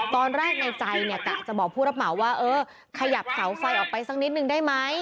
ตอนแรกในใจจะบอกผู้รับเหมาขยับเสาไฟไฟออกไปสักนิดนึงได้มั้ย